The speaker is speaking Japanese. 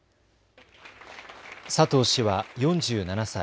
佐藤氏は４７歳。